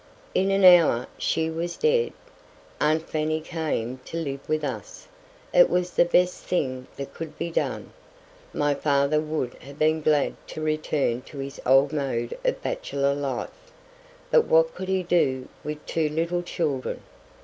In an hour she was dead. Aunt Fanny came to live with us. It was the best thing that could be done. My father would have been glad to return to his old mode of bachelor life, but what could he do with two little children?